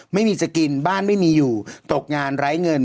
ไม่มีจะกินบ้านไม่มีอยู่ตกงานไร้เงิน